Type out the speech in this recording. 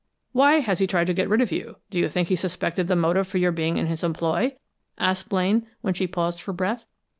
"Why has he tried to get rid of you? Do you think he suspected the motive for your being in his employ?" asked Blaine, when she paused for breath.